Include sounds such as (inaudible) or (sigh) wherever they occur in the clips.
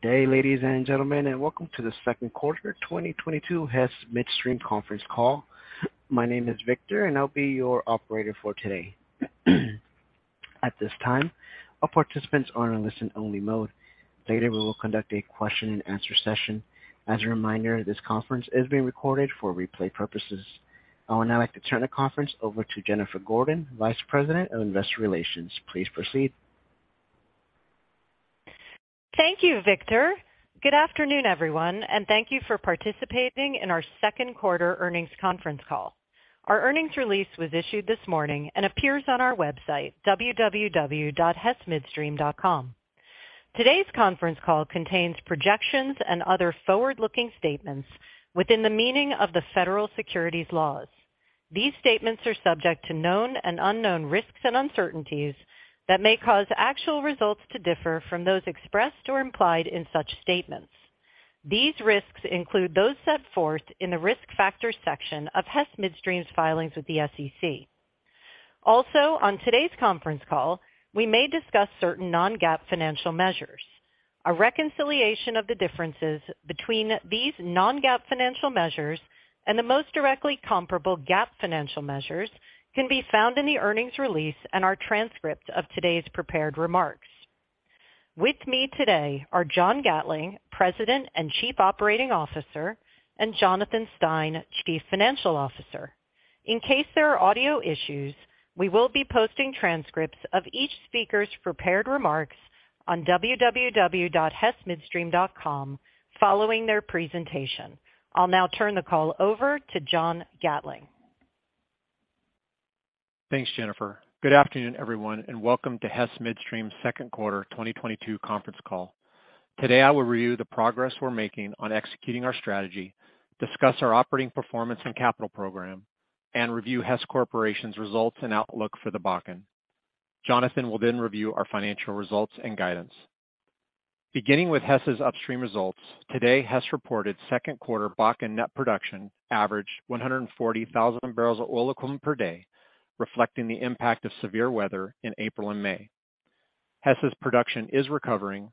Good day, ladies and gentlemen, and welcome to the second quarter 2022 Hess Midstream conference call. My name is Victor, and I'll be your operator for today. At this time, all participants are in listen only mode. Today, we will conduct a question and answer session. As a reminder, this conference is being recorded for replay purposes. I would now like to turn the conference over to Jennifer Gordon, Vice President of Investor Relations. Please proceed. Thank you, Victor. Good afternoon, everyone, and thank you for participating in our second quarter earnings conference call. Our earnings release was issued this morning and appears on our website, www.hessmidstream.com. Today's conference call contains projections and other forward-looking statements within the meaning of the federal securities laws. These statements are subject to known and unknown risks and uncertainties that may cause actual results to differ from those expressed or implied in such statements. These risks include those set forth in the Risk Factors section of Hess Midstream's filings with the SEC. Also, on today's conference call, we may discuss certain non-GAAP financial measures. A reconciliation of the differences between these non-GAAP financial measures and the most directly comparable GAAP financial measures can be found in the earnings release and our transcript of today's prepared remarks. With me today are John Gatling, President and Chief Operating Officer, and Jonathan Stein, Chief Financial Officer. In case there are audio issues, we will be posting transcripts of each speaker's prepared remarks on www.hessmidstream.com following their presentation. I'll now turn the call over to John Gatling. Thanks, Jennifer. Good afternoon, everyone, and welcome to Hess Midstream's second quarter 2022 conference call. Today, I will review the progress we're making on executing our strategy, discuss our operating performance and capital program, and review Hess Corporation's results and outlook for the Bakken. Jonathan will then review our financial results and guidance. Beginning with Hess's upstream results, today Hess reported second quarter Bakken net production averaged 140,000 barrels of oil equivalent per day, reflecting the impact of severe weather in April and May. Hess's production is recovering.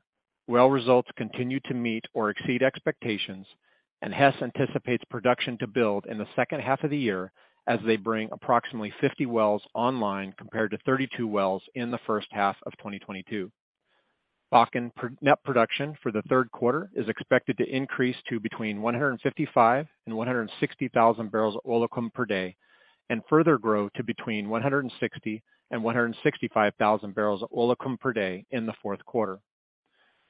Well results continue to meet or exceed expectations, and Hess anticipates production to build in the second half of the year as they bring approximately 50 wells online compared to 32 wells in the first half of 2022. Bakken net production for the third quarter is expected to increase to between 155,000 and 160,000 barrels of oil equivalent per day and further grow to between 160,000 and 165,000 barrels of oil equivalent per day in the fourth quarter.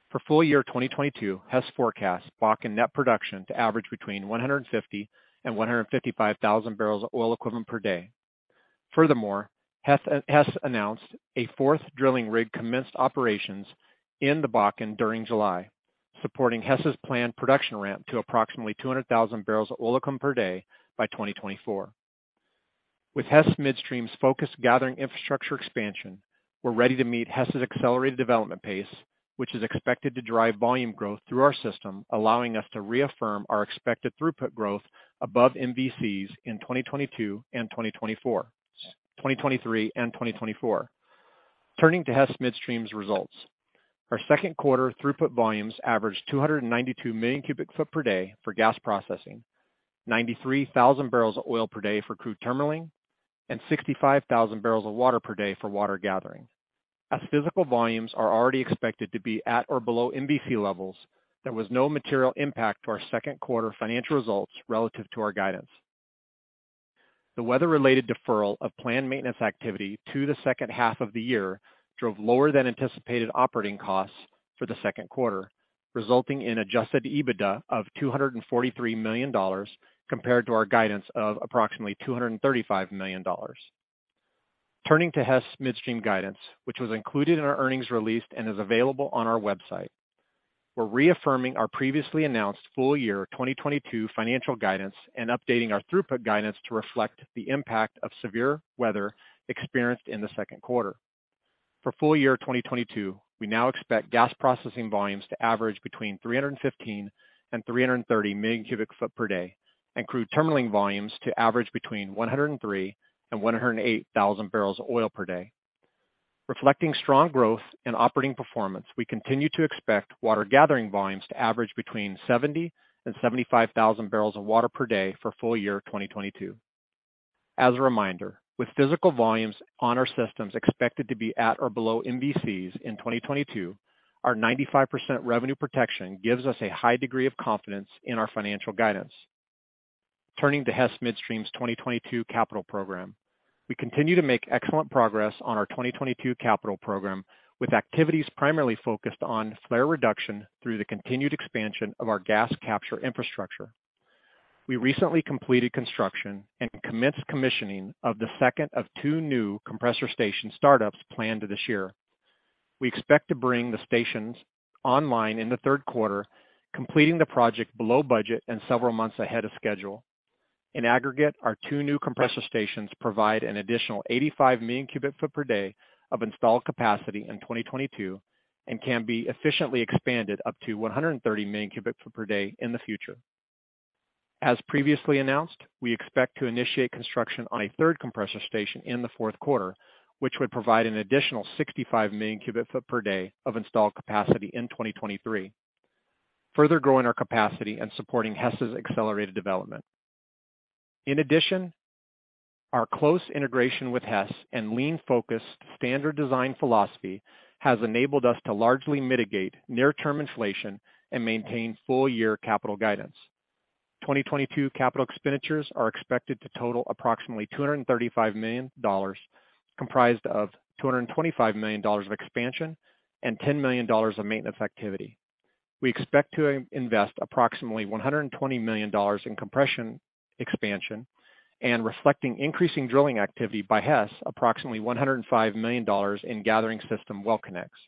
For full year 2022, Hess forecasts Bakken net production to average between 150,000 and 155,000 barrels of oil equivalent per day. Furthermore, Hess announced a fourth drilling rig commenced operations in the Bakken during July, supporting Hess's planned production ramp to approximately 200,000 barrels of oil equivalent per day by 2024. With Hess Midstream's focused gathering infrastructure expansion, we're ready to meet Hess's accelerated development pace, which is expected to drive volume growth through our system, allowing us to reaffirm our expected throughput growth above MVCs in 2023 and 2024. Turning to Hess Midstream's results. Our second quarter throughput volumes averaged 292 million cubic feet per day for gas processing, 93,000 barrels of oil per day for crude terminaling, and 65,000 barrels of water per day for water gathering. As physical volumes are already expected to be at or below MVC levels, there was no material impact to our second quarter financial results relative to our guidance. The weather-related deferral of planned maintenance activity to the second half of the year drove lower than anticipated operating costs for the second quarter, resulting in adjusted EBITDA of $243 million compared to our guidance of approximately $235 million. Turning to Hess Midstream guidance, which was included in our earnings release and is available on our website. We're reaffirming our previously announced full year 2022 financial guidance and updating our throughput guidance to reflect the impact of severe weather experienced in the second quarter. For full year 2022, we now expect gas processing volumes to average between 315 and 330 million cubic feet per day and crude terminaling volumes to average between 103,000 and 108,000 barrels of oil per day. Reflecting strong growth in operating performance, we continue to expect water gathering volumes to average between 70,000 and 75,000 barrels of water per day for full year 2022. As a reminder, with physical volumes on our systems expected to be at or below MVCs in 2022, our 95% revenue protection gives us a high degree of confidence in our financial guidance. Turning to Hess Midstream's 2022 capital program. We continue to make excellent progress on our 2022 capital program, with activities primarily focused on flare reduction through the continued expansion of our gas capture infrastructure. We recently completed construction and commenced commissioning of the second of two new compressor station startups planned this year. We expect to bring the stations online in the third quarter, completing the project below budget and several months ahead of schedule. In aggregate, our two new compressor stations provide an additional 85 million cubic feet per day of installed capacity in 2022 and can be efficiently expanded up to 130 million cubic feet per day in the future. As previously announced, we expect to initiate construction on a third compressor station in the fourth quarter, which would provide an additional 65 million cubic feet per day of installed capacity in 2023, further growing our capacity and supporting Hess's accelerated development. In addition, our close integration with Hess and lean, focused standard design philosophy has enabled us to largely mitigate near-term inflation and maintain full-year capital guidance. 2022 capital expenditures are expected to total approximately $235 million, comprised of $225 million of expansion and $10 million of maintenance activity. We expect to invest approximately $120 million in compression expansion and reflecting increasing drilling activity by Hess, approximately $105 million in gathering system well connects.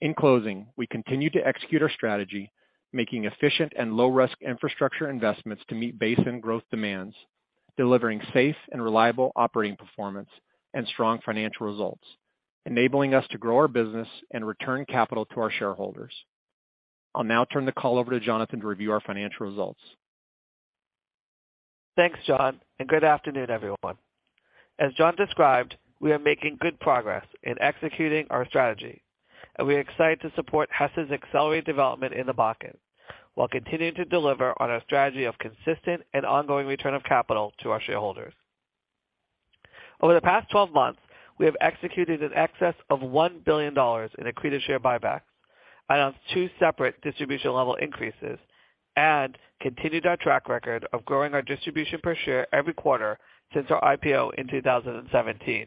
In closing, we continue to execute our strategy, making efficient and low risk infrastructure investments to meet basin growth demands, delivering safe and reliable operating performance and strong financial results, enabling us to grow our business and return capital to our shareholders. I'll now turn the call over to Jonathan to review our financial results. Thanks, John, and good afternoon, everyone. As John described, we are making good progress in executing our strategy, and we are excited to support Hess's accelerated development in the Bakken while continuing to deliver on our strategy of consistent and ongoing return of capital to our shareholders. Over the past 12 months, we have executed in excess of $1 billion in accreted share buybacks, announced two separate distribution level increases, and continued our track record of growing our distribution per share every quarter since our IPO in 2017.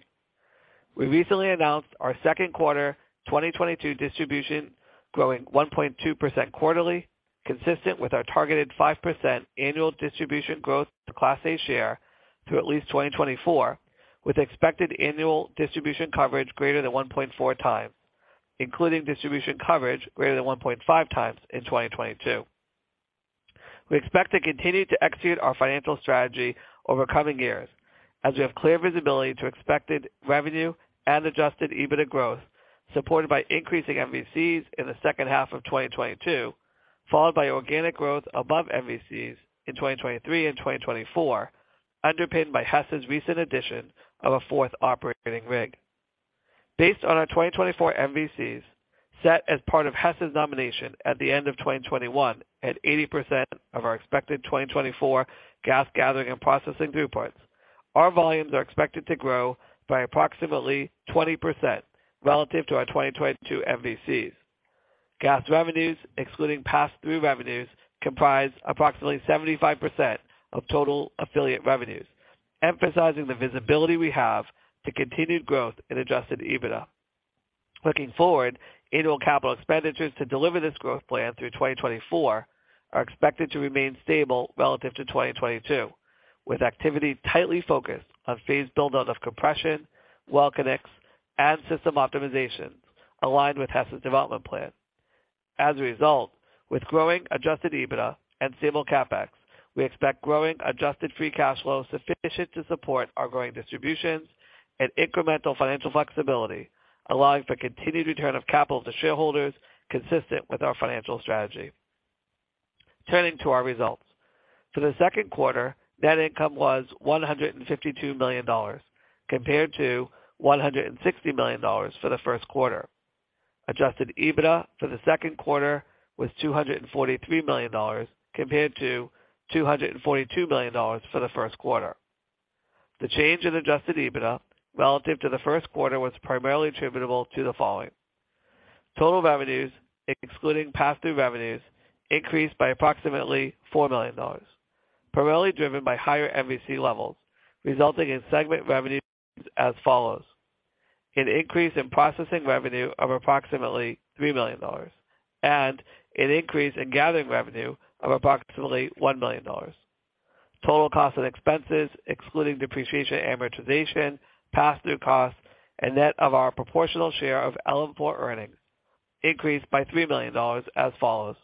We recently announced our second quarter 2022 distribution growing 1.2% quarterly, consistent with our targeted 5% annual distribution growth to Class A share through at least 2024, with expected annual distribution coverage greater than 1.4x, including distribution coverage greater than 1.5x in 2022. We expect to continue to execute our financial strategy over coming years as we have clear visibility to expected revenue and adjusted EBITDA growth, supported by increasing MVCs in the second half of 2022, followed by organic growth above MVCs in 2023 and 2024, underpinned by Hess's recent addition of a fourth operating rig. Based on our 2024 MVCs set as part of Hess's nomination at the end of 2021 at 80% of our expected 2024 gas gathering and processing throughputs, our volumes are expected to grow by approximately 20% relative to our 2022 MVCs. Gas revenues, excluding pass-through revenues, comprise approximately 75% of total affiliate revenues, emphasizing the visibility we have to continued growth in adjusted EBITDA. Looking forward, annual capital expenditures to deliver this growth plan through 2024 are expected to remain stable relative to 2022, with activity tightly focused on phased build out of compression, well connects, and system optimizations aligned with Hess's development plan. As a result, with growing adjusted EBITDA and stable CapEx, we expect growing adjusted free cash flow sufficient to support our growing distributions and incremental financial flexibility, allowing for continued return of capital to shareholders consistent with our financial strategy. Turning to our results. For the second quarter, net income was $152 million compared to $160 million for the first quarter. Adjusted EBITDA for the second quarter was $243 million compared to $242 million for the first quarter. The change in adjusted EBITDA relative to the first quarter was primarily attributable to the following. Total revenues, excluding pass-through revenues, increased by approximately $4 million, primarily driven by higher MVC levels, resulting in segment revenue as follows. An increase in processing revenue of approximately $3 million and an increase in gathering revenue of approximately $1 million. Total cost and expenses, excluding depreciation, amortization, pass-through costs, and net of our proportional share of (audio distortion) earnings increased by $3 million as follows.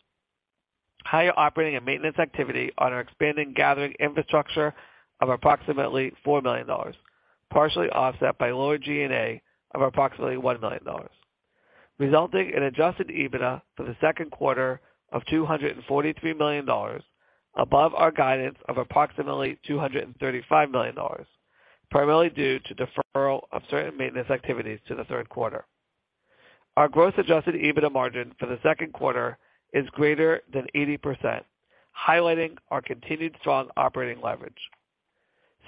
Higher operating and maintenance activity on our expanding gathering infrastructure of approximately $4 million, partially offset by lower G&A of approximately $1 million, resulting in adjusted EBITDA for the second quarter of $243 million above our guidance of approximately $235 million, primarily due to deferral of certain maintenance activities to the third quarter. Our gross adjusted EBITDA margin for the second quarter is greater than 80%, highlighting our continued strong operating leverage.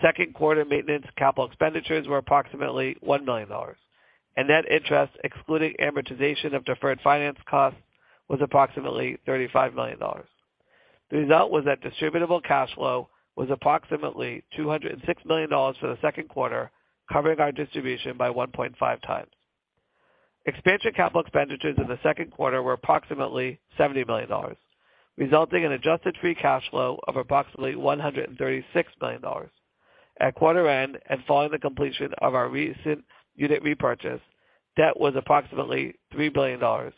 Second quarter maintenance capital expenditures were approximately $1 million and net interest excluding amortization of deferred finance costs was approximately $35 million. The result was that distributable cash flow was approximately $206 million for the second quarter, covering our distribution by 1.5x. Expansion capital expenditures in the second quarter were approximately $70 million, resulting in adjusted free cash flow of approximately $136 million. At quarter end and following the completion of our recent unit repurchase, debt was approximately $3 billion,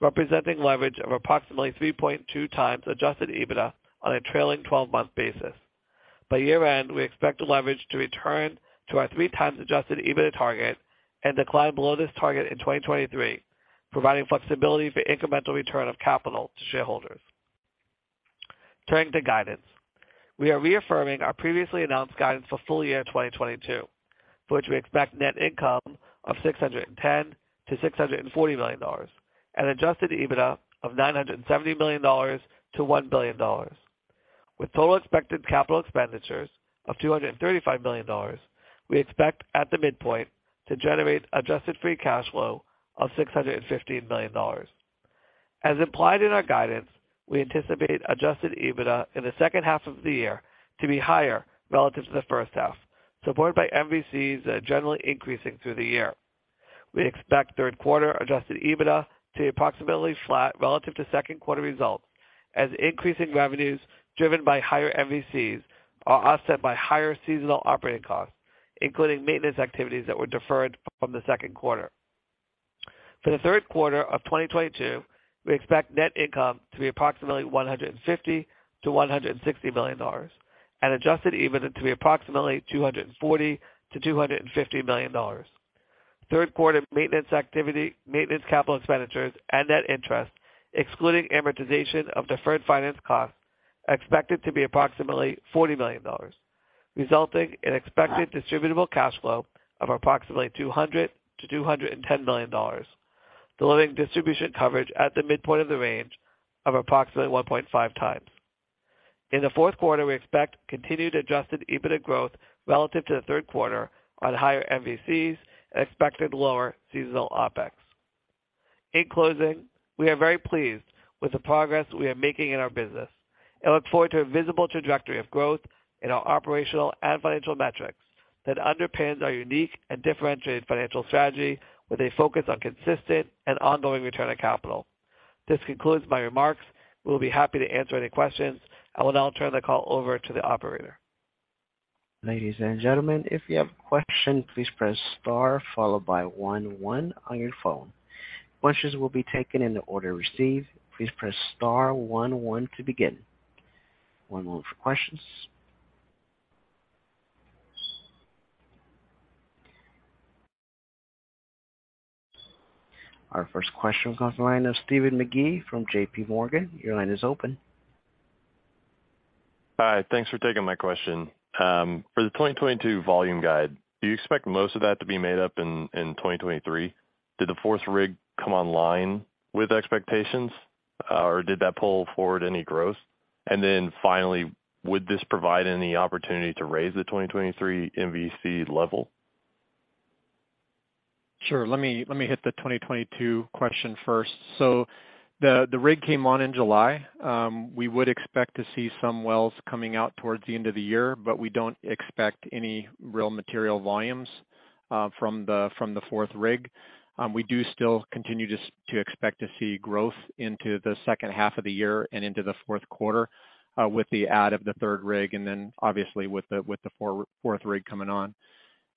representing leverage of approximately 3.2x adjusted EBITDA on a trailing 12-month basis. By year-end, we expect the leverage to return to our 3x adjusted EBITDA target and decline below this target in 2023, providing flexibility for incremental return of capital to shareholders. Turning to guidance. We are reaffirming our previously announced guidance for full year 2022, for which we expect net income of $610 million-$640 million and adjusted EBITDA of $970 million-$1 billion. With total expected capital expenditures of $235 million, we expect at the midpoint to generate adjusted free cash flow of $615 million. As implied in our guidance, we anticipate adjusted EBITDA in the second half of the year to be higher relative to the first half, supported by MVCs that are generally increasing through the year. We expect third quarter adjusted EBITDA to be approximately flat relative to second quarter results as increasing revenues driven by higher MVCs are offset by higher seasonal operating costs, including maintenance activities that were deferred from the second quarter. For the third quarter of 2022, we expect net income to be approximately $150 million-$160 million and adjusted EBITDA to be approximately $240 million-$250 million. Third quarter maintenance activity, maintenance capital expenditures and net interest excluding amortization of deferred finance costs expected to be approximately $40 million, resulting in expected distributable cash flow of approximately $200 million-$210 million, delivering distribution coverage at the midpoint of the range of approximately 1.5x. In the fourth quarter, we expect continued adjusted EBITDA growth relative to the third quarter on higher MVCs and expected lower seasonal OpEx. In closing, we are very pleased with the progress we are making in our business and look forward to a visible trajectory of growth in our operational and financial metrics that underpins our unique and differentiated financial strategy with a focus on consistent and ongoing return on capital. This concludes my remarks. We will be happy to answer any questions. I will now turn the call over to the operator. Ladies and gentlemen, if you have a question, please press star followed by one on your phone. Questions will be taken in the order received. Please press star one one to begin. One moment for questions. Our first question comes from the line of Stephen McGee from JPMorgan. Your line is open. Hi. Thanks for taking my question. For the 2022 volume guide, do you expect most of that to be made up in 2023? Did the fourth rig come online with expectations or did that pull forward any growth? Finally, would this provide any opportunity to raise the 2023 MVC level? Sure. Let me hit the 2022 question first. The rig came on in July. We would expect to see some wells coming out towards the end of the year, but we don't expect any real material volumes from the fourth rig. We do still continue to expect to see growth into the second half of the year and into the fourth quarter with the add of the third rig and then obviously with the fourth rig coming on.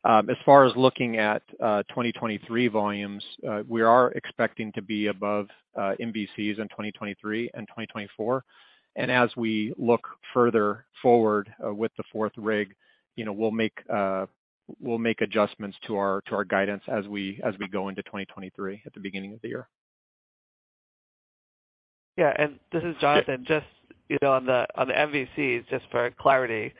As far as looking at 2023 volumes, we are expecting to be above MVCs in 2023 and 2024. As we look further forward with the fourth rig, you know, we'll make adjustments to our guidance as we go into 2023 at the beginning of the year. Yeah. This is Jonathan. Just, you know, on the MVCs, just for clarity,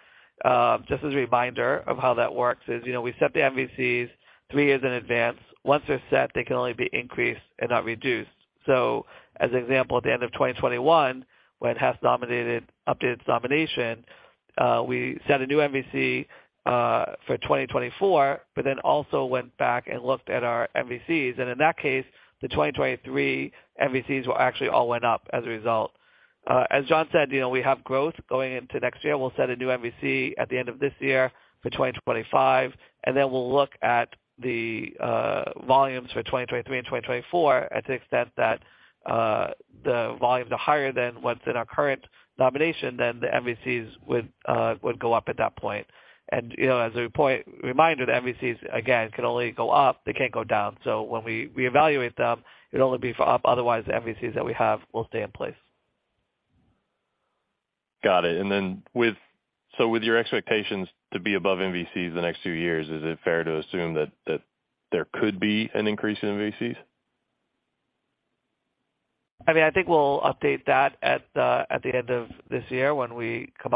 just as a reminder of how that works is, you know, we set the MVCs three years in advance. Once they're set, they can only be increased and not reduced. As an example, at the end of 2021, when Hess updated its nomination, we set a new MVC for 2024, but then also went back and looked at our MVCs. In that case, the 2023 MVCs were actually all went up as a result. As John said, you know, we have growth going into next year. We'll set a new MVC at the end of this year for 2025, and then we'll look at the volumes for 2023 and 2024 to the extent that the volumes are higher than what's in our current nomination, then the MVCs would go up at that point. You know, as a reminder, the MVCs again can only go up, they can't go down. When we evaluate them, it'll only be for up, otherwise the MVCs that we have will stay in place. Got it. With your expectations to be above MVCs the next two years, is it fair to assume that there could be an increase in MVCs? I mean, I think we'll update that at the end of this year when we come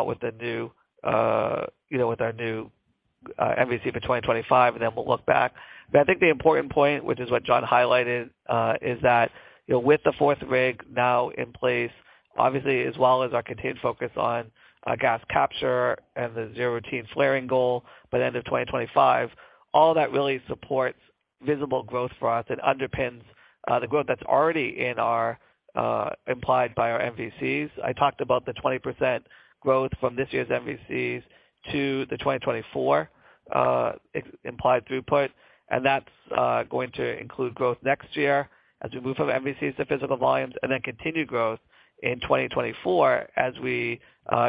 out with our new MVC for 2025, and then we'll look back. I think the important point, which is what John highlighted, is that, you know, with the fourth rig now in place, obviously as well as our continued focus on gas capture and the zero routine flaring goal by the end of 2025, all that really supports visible growth for us and underpins the growth that's already implied by our MVCs. I talked about the 20% growth from this year's MVCs to the 2024 implied throughput. That's going to include growth next year as we move from MVCs to physical volumes and then continued growth in 2024 as we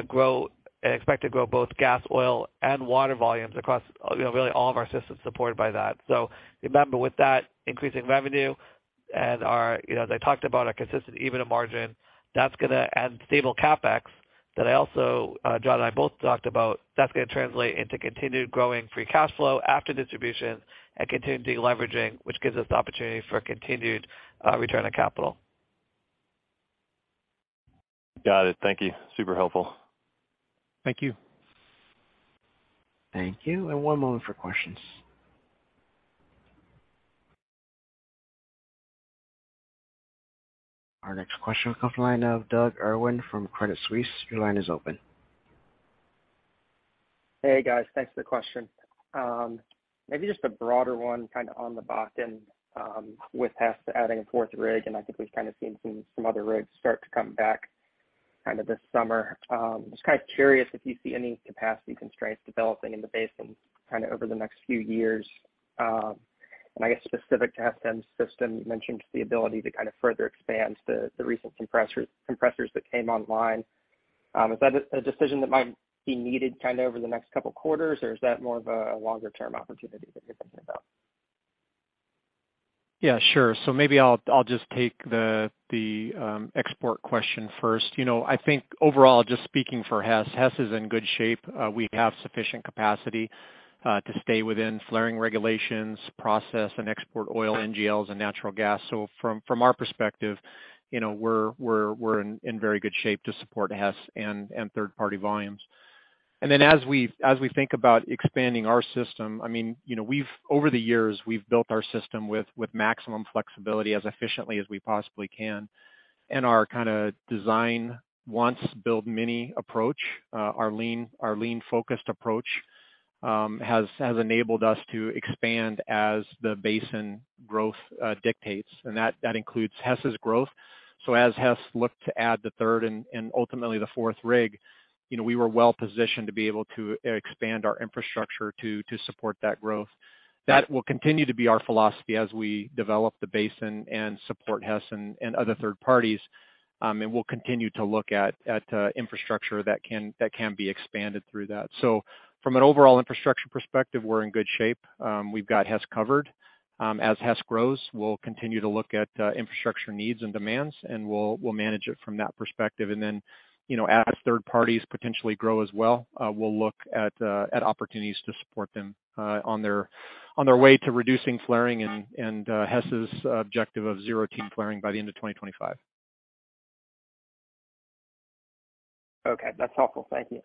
grow and expect to grow both gas, oil, and water volumes across, you know, really all of our systems supported by that. Remember, with that increasing revenue and our, you know, as I talked about, our consistent EBITDA margin that's gonna add stable CapEx that John and I both talked about, that's gonna translate into continued growing free cash flow after distribution and continued de-leveraging, which gives us the opportunity for continued return on capital. Got it. Thank you. Super helpful. Thank you. Thank you. One moment for questions. Our next question comes from the line of Doug Irwin from Credit Suisse. Your line is open. Hey, guys. Thanks for the question. Maybe just a broader one, kind of on the back end, with Hess adding a fourth rig, and I think we've kind of seen some other rigs start to come back kind of this summer. Just kind of curious if you see any capacity constraints developing in the basin kind of over the next few years. I guess specific to Hess Midstream system, you mentioned the ability to kind of further expand the recent compressors that came online. Is that a decision that might be needed kind of over the next couple quarters, or is that more of a longer term opportunity that you're thinking about? Yeah, sure. Maybe I'll just take the export question first. You know, I think overall, just speaking for Hess is in good shape. We have sufficient capacity to stay within flaring regulations, process and export oil, NGLs and natural gas. From our perspective, you know, we're in very good shape to support Hess and third party volumes. Then as we think about expanding our system, I mean, you know, we've over the years, we've built our system with maximum flexibility as efficiently as we possibly can. Our kind of design once build many approach, our lean focused approach, has enabled us to expand as the basin growth dictates. That includes Hess's growth. As Hess looked to add the third and ultimately the fourth rig, you know, we were well-positioned to be able to expand our infrastructure to support that growth. That will continue to be our philosophy as we develop the basin and support Hess and other third parties. We'll continue to look at infrastructure that can be expanded through that. From an overall infrastructure perspective, we're in good shape. We've got Hess covered. As Hess grows, we'll continue to look at infrastructure needs and demands, and we'll manage it from that perspective. you know, as third parties potentially grow as well, we'll look at opportunities to support them on their way to reducing flaring and Hess's objective of zero routine flaring by the end of 2025. Okay, that's helpful. Thank you.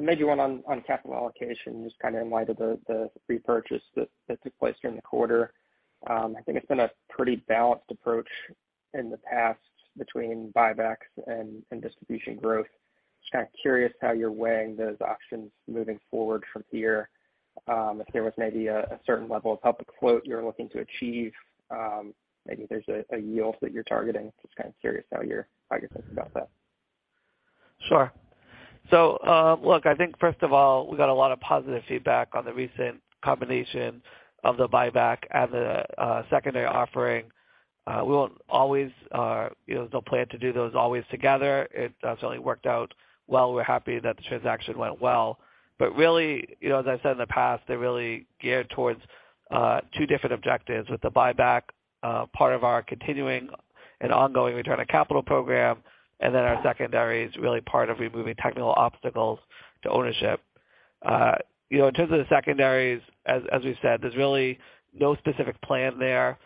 Maybe one on capital allocation, just kind of in light of the repurchase that took place during the quarter. I think it's been a pretty balanced approach in the past between buybacks and distribution growth. Just kind of curious how you're weighing those options moving forward from here. If there was maybe a certain level of public float you're looking to achieve, maybe there's a yield that you're targeting. Just kind of curious how you're thinking about that. Sure. Look, I think first of all, we got a lot of positive feedback on the recent combination of the buyback and the secondary offering. We won't always, you know, there's no plan to do those always together. It certainly worked out well. We're happy that the transaction went well. Really, you know, as I said in the past, they're really geared towards two different objectives with the buyback, part of our continuing and ongoing return on capital program, and then our secondary is really part of removing technical obstacles to ownership. You know, in terms of the secondaries, as we said, there's really no specific plan there,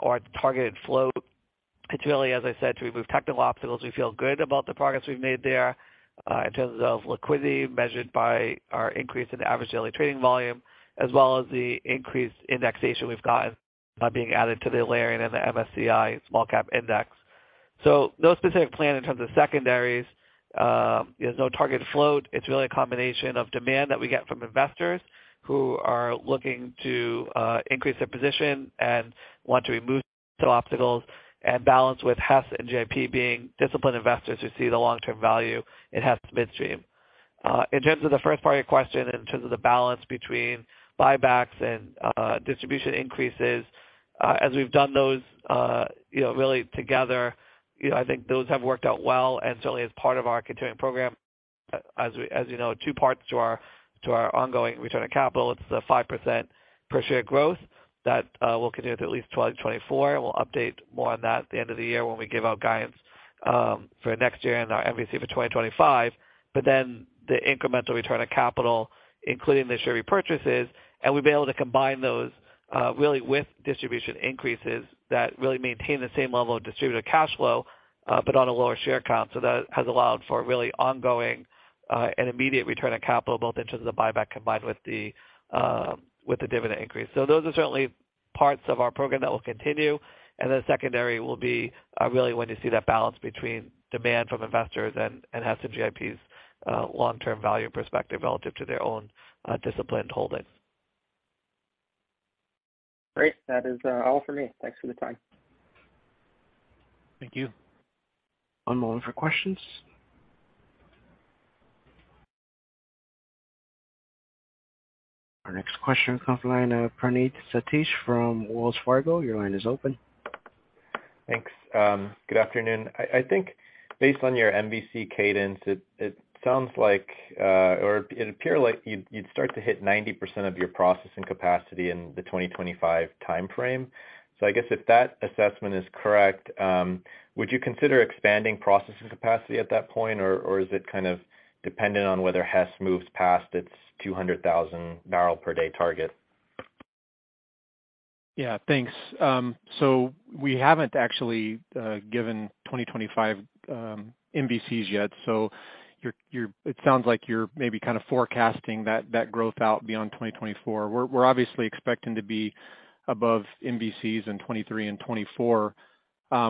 or targeted float. It's really, as I said, to remove technical obstacles. We feel good about the progress we've made there, in terms of liquidity measured by our increase in average daily trading volume as well as the increased indexation we've gotten by being added to the Alerian and the MSCI Small Cap Index. No specific plan in terms of secondaries. There's no targeted float. It's really a combination of demand that we get from investors who are looking to, increase their position and want to remove some obstacles and balance with Hess and GIP being disciplined investors who see the long-term value in Hess Midstream. In terms of the first part of your question, in terms of the balance between buybacks and, distribution increases, as we've done those, you know, really together, you know, I think those have worked out well and certainly as part of our continuing program. As you know, two parts to our ongoing return on capital. It's the 5% per share growth that we'll continue to at least 2024, and we'll update more on that at the end of the year when we give out guidance for next year and our MVC for 2025. The incremental return on capital, including the share repurchases, and we'll be able to combine those really with distribution increases that really maintain the same level of distributable cash flow but on a lower share count. That has allowed for really ongoing and immediate return on capital, both in terms of the buyback combined with the dividend increase. Those are certainly parts of our program that will continue. Secondary will be really when you see that balance between demand from investors and Hess and GIP's long-term value perspective relative to their own disciplined holding. Great. That is, all for me. Thanks for the time. Thank you. One moment for questions. Our next question comes from the line of Praneeth Satish from Wells Fargo. Your line is open. Thanks. Good afternoon. I think based on your MVC cadence, it sounds like you'd start to hit 90% of your processing capacity in the 2025 timeframe. I guess if that assessment is correct, would you consider expanding processing capacity at that point? Or is it kind of dependent on whether Hess moves past its 200,000 barrels per day target? Yeah, thanks. So we haven't actually given 2025 MVCs yet. So it sounds like you're maybe kind of forecasting that growth out beyond 2024. We're obviously expecting to be above MVCs in 2023 and 2024.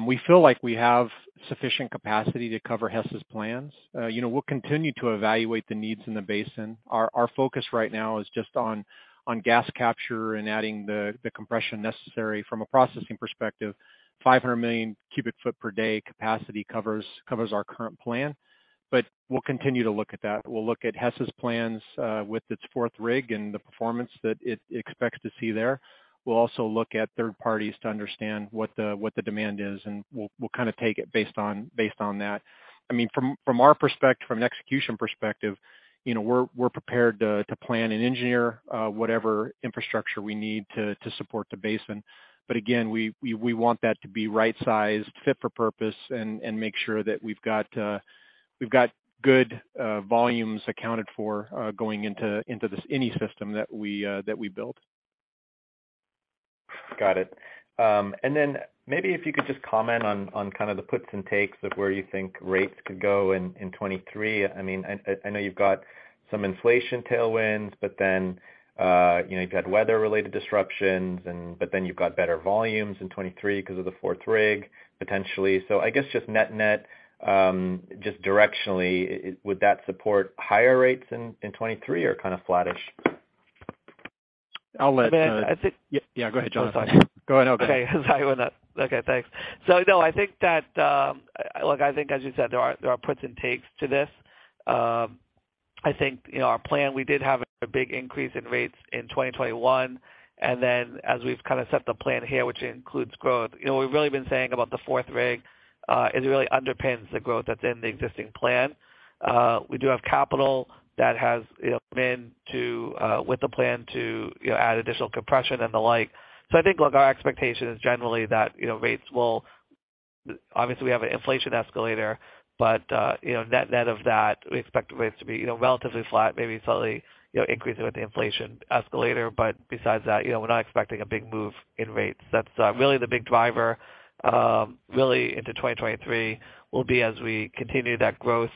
We feel like we have sufficient capacity to cover Hess's plans. You know, we'll continue to evaluate the needs in the basin. Our focus right now is just on gas capture and adding the compression necessary from a processing perspective. 500 million cubic feet per day capacity covers our current plan. But we'll continue to look at that. We'll look at Hess's plans with its fourth rig and the performance that it expects to see there. We'll also look at third parties to understand what the demand is, and we'll kind of take it based on that. I mean, from our perspective, from an execution perspective, you know, we're prepared to plan and engineer whatever infrastructure we need to support the basin. But again, we want that to be right-sized, fit for purpose, and make sure that we've got good volumes accounted for going into this any system that we build. Got it. Maybe if you could just comment on kind of the puts and takes of where you think rates could go in 2023. I mean, I know you've got some inflation tailwinds, but then you know, you've got weather-related disruptions, but then you've got better volumes in 2023 'cause of the fourth rig, potentially. I guess just net-net, just directionally, would that support higher rates in 2023 or kind of flattish? I'll let. Man, I think. Yeah. Yeah, go ahead, Jonathan. Go ahead. I'm open. Okay. Sorry about that. Okay, thanks. No, I think that, look, I think as you said, there are puts and takes to this. I think, you know, our plan, we did have a big increase in rates in 2021, and then as we've kind of set the plan here, which includes growth, you know, we've really been saying about the fourth rig, is what really underpins the growth that's in the existing plan. We do have capital that has, you know, been tied to the plan to, you know, add additional compression and the like. I think, look, our expectation is generally that, you know, rates will obviously we have an inflation escalator, but, you know, net-net of that, we expect rates to be, you know, relatively flat, maybe slightly, you know, increasing with the inflation escalator. besides that, you know, we're not expecting a big move in rates. That's really the big driver, really into 2023 will be as we continue that growth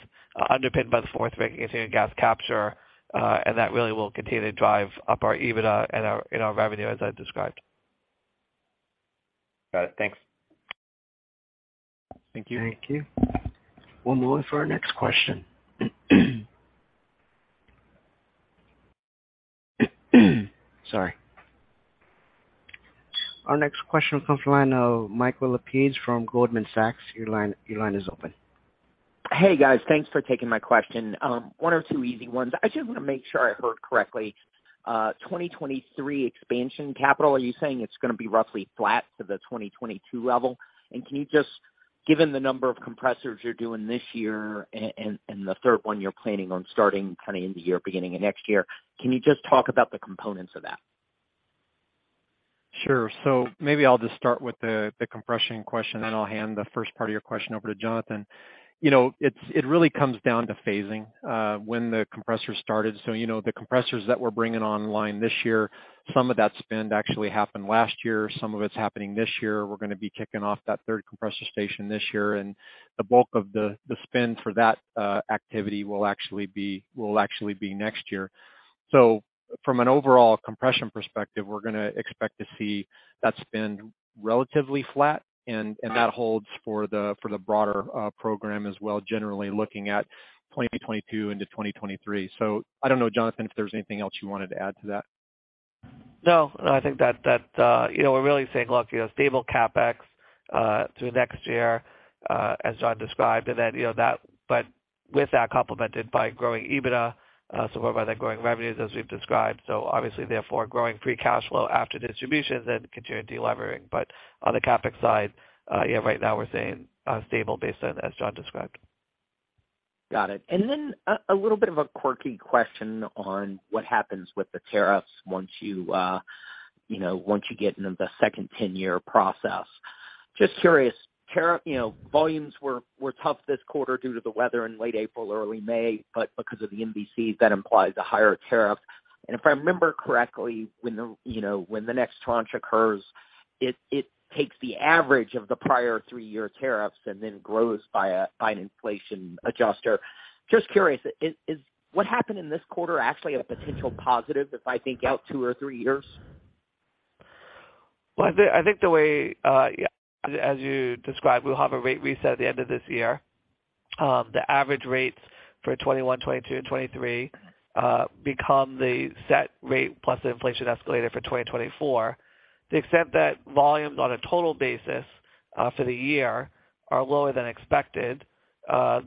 underpinned by the fourth rig, continuing gas capture, and that really will continue to drive up our EBITDA and our revenue as I described. Got it. Thanks. Thank you. Thank you. We'll move to our next question. Sorry. Our next question comes from the line of Michael Lapides from Goldman Sachs. Your line is open. Hey, guys. Thanks for taking my question. One or two easy ones. I just wanna make sure I heard correctly. 2023 expansion capital, are you saying it's gonna be roughly flat to the 2022 level? Can you just, given the number of compressors you're doing this year and the third one you're planning on starting kind of end of year, beginning of next year, can you just talk about the components of that? Sure. Maybe I'll just start with the compression question, and I'll hand the first part of your question over to Jonathan. You know, it really comes down to phasing, when the compressor started. You know, the compressors that we're bringing online this year, some of that spend actually happened last year. Some of it's happening this year. We're gonna be kicking off that third compressor station this year, and the bulk of the spend for that activity will actually be next year. From an overall compression perspective, we're gonna expect to see that spend relatively flat, and that holds for the broader program as well, generally looking at 2022 into 2023. I don't know, Jonathan, if there's anything else you wanted to add to that. No, I think that you know, we're really saying, look, you know, stable CapEx through next year, as John described, and then, you know, that but with that complemented by growing EBITDA, supported by the growing revenues as we've described. Obviously therefore, growing free cash flow after distributions and continuing de-levering. On the CapEx side, yeah, right now we're saying a stable base then as John described. Got it. A little bit of a quirky question on what happens with the tariffs once you know, once you get in the second 10-year process. Just curious. Tariff, you know, volumes were tough this quarter due to the weather in late April, early May, but because of the MVCs, that implies a higher tariff. If I remember correctly, when the, you know, when the next tranche occurs, it takes the average of the prior three-year tariffs and then grows by an inflation adjuster. Just curious, is what happened in this quarter actually a potential positive if I think out two or three years? I think the way as you described, we'll have a rate reset at the end of this year. The average rates for 2021, 2022 and 2023 become the set rate plus the inflation escalator for 2024. To the extent that volumes on a total basis for the year are lower than expected,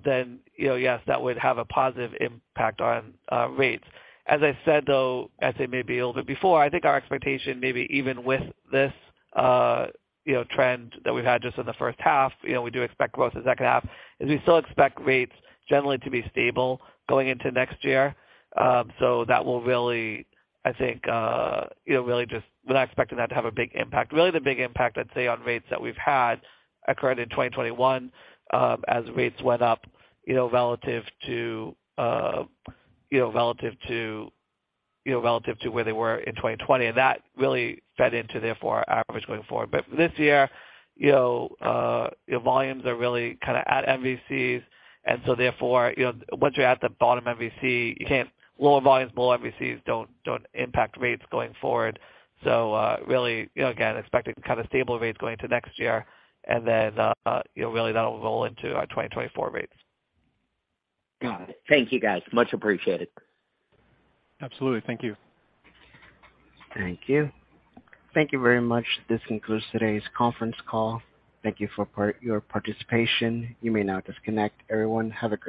then, you know, yes, that would have a positive impact on rates. As I said, though, I'd say maybe a little bit before, I think our expectation maybe even with this, you know, trend that we've had just in the first half, you know, we do expect growth the second half, is we still expect rates generally to be stable going into next year. So that will really, I think, you know, really just we're not expecting that to have a big impact. Really the big impact I'd say on rates that we've had occurred in 2021, as rates went up, you know, relative to where they were in 2020. That really fed into therefore our average going forward. This year, you know, volumes are really kinda at MVCs, and so therefore, you know, once you're at the bottom MVC, you can't lower volumes, lower MVCs don't impact rates going forward. Really, you know, again, expecting kind of stable rates going to next year and then, you know, really that'll roll into our 2024 rates. Got it. Thank you, guys. Much appreciated. Absolutely. Thank you. Thank you. Thank you very much. This concludes today's conference call. Thank you for your participation. You may now disconnect. Everyone, have a great day.